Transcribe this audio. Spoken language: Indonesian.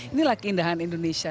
inilah keindahan indonesia